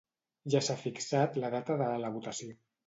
Ja s'ha fixat la data de la votació.